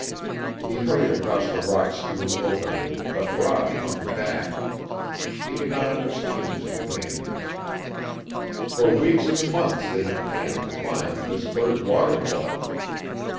He hurried across the rock strewn opening, but Rod hung back. He could not understand his companions. For weeks and months they had planned to find this third waterfall.